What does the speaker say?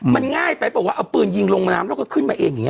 มันง่ายไปเปล่าว่าเอาปืนยิงลงน้ำแล้วก็ขึ้นมาเองอย่างนี้